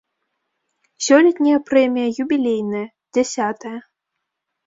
Сёлетняя прэмія юбілейная, дзясятая.